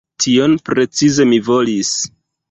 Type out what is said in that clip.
tion precize mi volis.